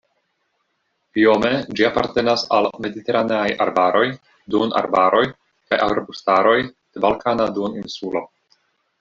Biome ĝi apartenas al mediteraneaj arbaroj, duonarbaroj kaj arbustaroj de Balkana duoninsulo.